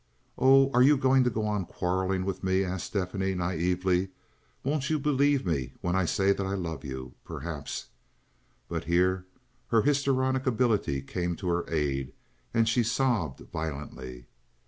"Oh, are you going to go on quarreling with me?" asked Stephanie, naively. "Won't you believe me when I say that I love you? Perhaps—" But here her histrionic ability came to her aid, and she sobbed violently.